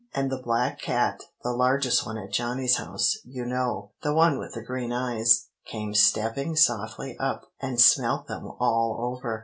And the black cat, the largest one at Johnny's house, you know, the one with the green eyes, came stepping softly up, and smelt them all over.